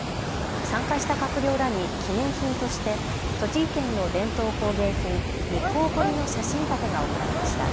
参加した閣僚らに記念品として栃木県の伝統工芸品、日光彫の写真立てが贈られました。